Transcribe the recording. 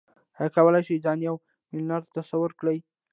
ايا کولای شئ ځان يو ميليونر تصور کړئ؟